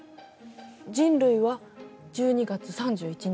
人類は１２月３１日。